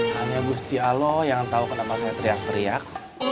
hanya bu siti aloe yang tahu kenapa saya teriak teriak